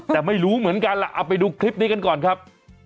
แต่ไม่รู้เหมือนกันล่ะเอาไปดูคลิปนี้กันก่อนครับ